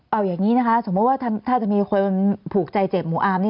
เอาอย่างนี้นะคะสมมุติว่าถ้าจะมีคนผูกใจเจ็บหมู่อาร์มนี่